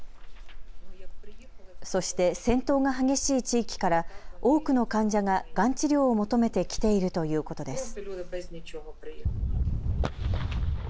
そして戦闘が激しい地域から多くの患者ががん治療を求めて来ているということです。